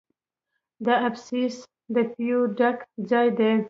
د ابسیس د پیو ډک ځای دی.